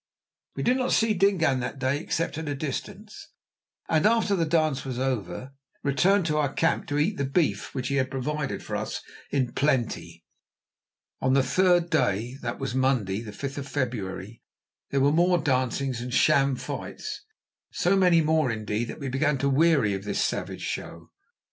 We did not see Dingaan that day, except at a distance, and after the dance was over returned to our camp to eat the beef which he had provided for us in plenty. On the third day—that was Monday, the 5th of February, there were more dancings and sham fights, so many more, indeed, that we began to weary of this savage show.